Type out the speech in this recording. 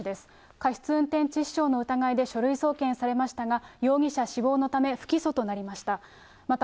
過失運転致死傷の疑いで書類送検されましたが、容疑者死亡のため、不起訴となりました。